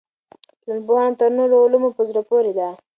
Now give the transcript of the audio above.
ټولنپوهنه تر نورو علومو په زړه پورې ده.